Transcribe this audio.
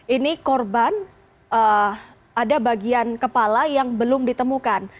ini korban ada bagian kepala yang belum ditemukan